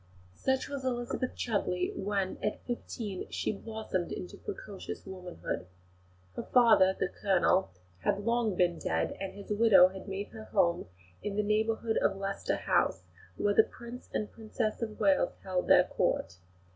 Such was Elizabeth Chudleigh when, at fifteen, she blossomed into precocious womanhood. Her father, the Colonel, had long been dead, and his widow had made her home in the neighbourhood of Leicester House, where the Prince and Princess of Wales held their Court.